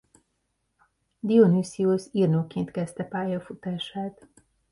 Dionüsziosz írnokként kezdte pályafutását.